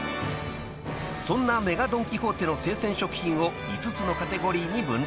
［そんなＭＥＧＡドン・キホーテの生鮮食品を５つのカテゴリーに分類］